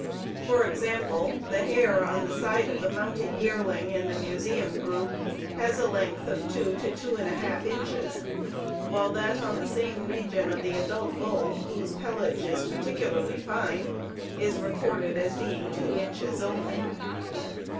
For example, the hair on the side of the mounted yearling in the Museum group has a length of 2 to 21/2 inches, while that on the same region of the adult bull, whose pelage is particularly fine, is recorded as being 2 inches only.